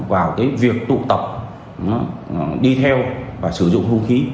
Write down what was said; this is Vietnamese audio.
vào cái việc tụ tập đi theo và sử dụng hung khí